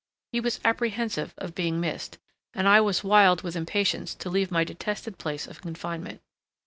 He was apprehensive of being missed, and I was wild with impatience to leave my detested place of confinement.